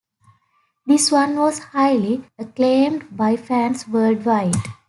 This one was highly acclaimed by fans worldwide.